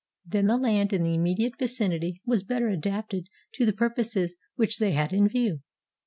Then the land in the immediate vicinity was better adapted to the purposes which they had in view.